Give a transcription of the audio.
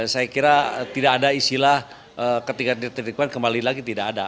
saya kira tidak ada istilah ketika ditertiban kembali lagi tidak ada